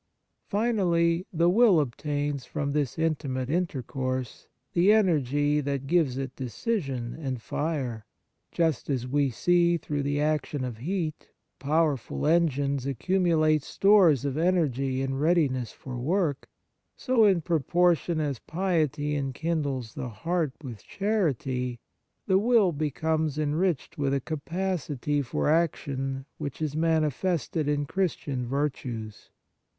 Finally, the will obtains from this intimate intercourse the energy that gives it decision and fire ; just as we see, through the action of heat, powerful engines ac cumulate stores of energy in readiness for work, so, in proportion as piety enkindles the heart with charity, the will becomes enriched with a capacity for action which is manifested in Christian virtues.